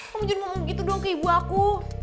kok menjadikan begitu dong ke ibu aku